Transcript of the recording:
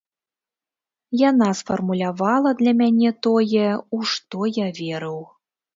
Яна сфармулявала для мяне тое, у што я верыў.